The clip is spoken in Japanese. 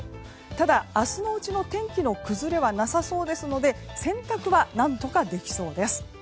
ただ明日のうちの天気の崩れはなさそうですので洗濯は何とかできそうです。